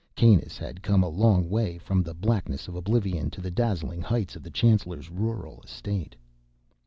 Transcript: Kanus had come a long way: from the blackness of oblivion to the dazzling heights of the chancellor's rural estate.